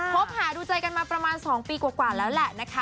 คบหาดูใจกันมาประมาณ๒ปีกว่าแล้วแหละนะคะ